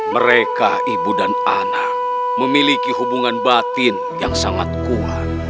mereka ibu dan anak memiliki hubungan batin yang sangat kuat